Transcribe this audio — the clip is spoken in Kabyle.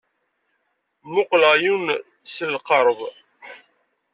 Mmuqqleɣ yiwen s lqerb.